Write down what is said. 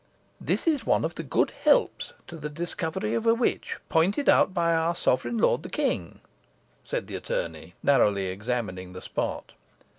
"This is one of the 'good helps' to the discovery of a witch, pointed out by our sovereign lord the king," said the attorney, narrowly examining the spot.